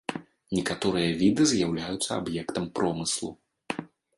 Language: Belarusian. Некаторыя віды з'яўляюцца аб'ектам промыслу.